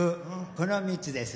この３つです。